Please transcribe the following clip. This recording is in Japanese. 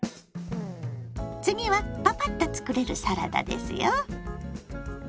次はパパッと作れるサラダですよ。